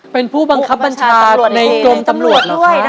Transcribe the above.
เป็นผู้บังคับบัญชาในกรมตำรวจ